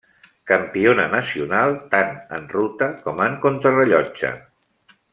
Campiona nacional tant en ruta com en contrarellotge.